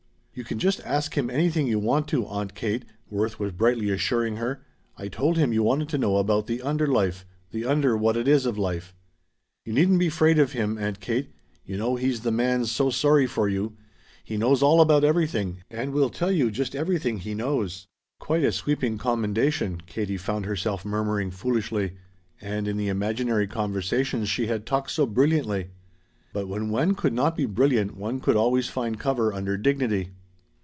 "You can just ask him anything you want to, Aunt Kate," Worth was brightly assuring her. "I told him you wanted to know about the under life the under what it is of life. You needn't be 'fraid of him, Aunt Kate; you know he's the man's so sorry for you. He knows all about everything, and will tell you just everything he knows." "Quite a sweeping commendation," Katie found herself murmuring foolishly and in the imaginary conversations she had talked so brilliantly! But when one could not be brilliant one could always find cover under dignity.